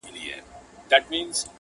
ما له کيسې ژور اغېز واخيست,